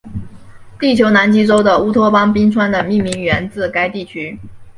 地球南极洲的乌托邦冰川的命名源自该区域。